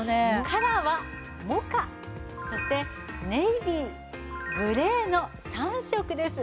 カラーはモカそしてネイビーグレーの３色です。